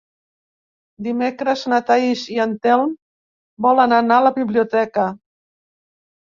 Dimecres na Thaís i en Telm volen anar a la biblioteca.